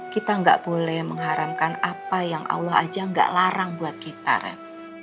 kita nggak boleh mengharamkan apa yang allah aja gak larang buat kita red